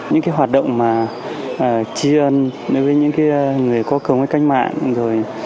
những hoạt động chiên với những người có cầu nguyện canh mạng